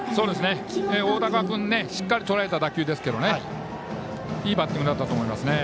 大高君、しっかりとらえた打球ですけどいいバッティングだったと思います。